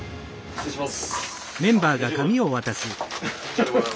失礼します！